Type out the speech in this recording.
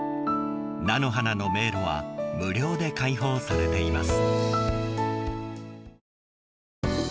菜の花の迷路は無料で開放されています。